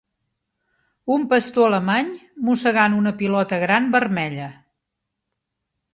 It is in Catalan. un pastor alemany mossegant una pilota gran vermella.